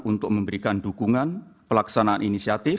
untuk memberikan dukungan pelaksanaan inisiatif